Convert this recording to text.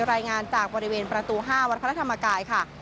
รายงานจากบริเวณประตู๕วัดพระธรรมกายค่ะ